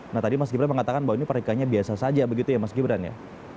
nah tadi mas gibran mengatakan bahwa ini pernikahannya biasa saja begitu ya mas gibran ya